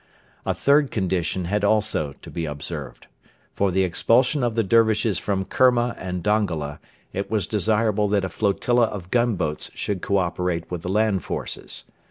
A third condition had also to be observed. For the expulsion of the Dervishes from Kerma and Dongola it was desirable that a flotilla of gunboats should co operate with the land forces.